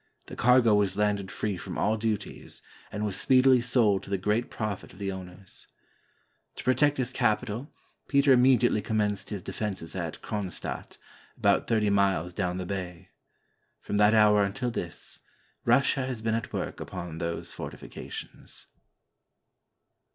The cargo was landed free from all duties, and was speedily sold to the great profit of the owners. To pro 98 HOW ST. PETERSBURG WAS BUILT tect his capital, Peter immediately commenced his de fenses at Cronstadt, about thirty miles down the bay. From that hour until this, Russia has been at work upon those fortifications.